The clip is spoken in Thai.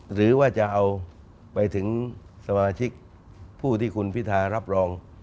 หรือว่าจะเอาไปถึงสมาชิกผู้ที่คุณพิทารับรอง